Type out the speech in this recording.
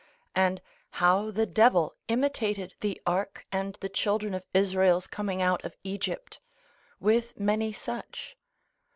and how the devil imitated the Ark and the children of Israel's coming out of Egypt; with many such.